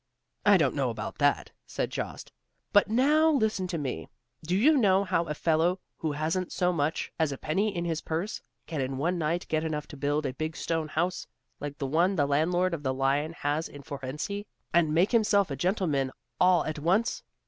"I don't know about that," said Jost, "but now listen to me. Do you know how a fellow who hasn't so much as a penny in his purse, can in one night get enough to build a big stone house, like the one the landlord of the lion has in Fohrensee, and make himself a gentleman all at once?